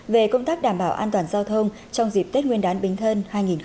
về công tác đảm bảo an toàn giao thông trong dịp tết nguyên đán bình thân hai nghìn hai mươi